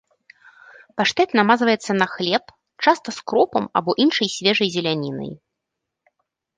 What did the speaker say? Паштэт намазваецца на хлеб, часта з кропам або іншай свежай зелянінай.